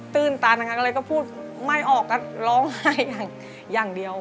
ตื่นตันนะคะอะไรก็พูดไม่ออกก็ร้องไห้อย่างเดียว